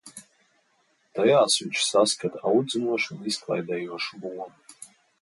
Tajās viņš saskata audzinošu un izklaidējošu lomu.